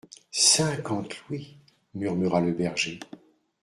Cinquante louis ! murmura le berger.